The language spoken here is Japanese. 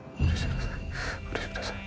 お許しください